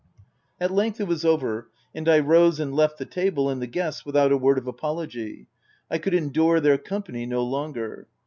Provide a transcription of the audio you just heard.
At length it was over ; and I rose and left the table and the guests, without a word of apology — I could endure their company no longer.